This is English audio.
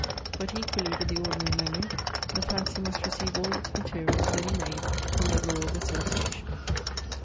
But equally with the ordinary memory the Fancy must receive all its materials ready made from the law of association.